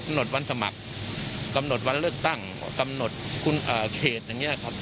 หมดวันสมัครกำหนดวันเลือกตั้งกำหนดเขตอย่างนี้ครับ